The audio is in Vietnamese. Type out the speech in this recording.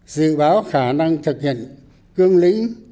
dự báo khả năng thực hiện cương lĩnh